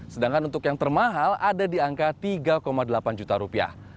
sedangkan untuk yang termahal ada di angka tiga delapan juta rupiah